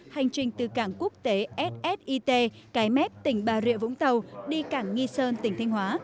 hành trình từ cảng quốc tế ssit cái mép tỉnh bà rịa vũng tàu đi cảng nghi sơn tỉnh thanh hóa